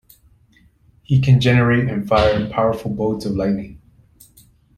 He can generate and fire powerful bolts of lightning.